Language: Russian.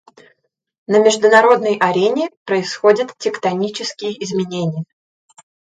На международной арене происходят тектонические изменения.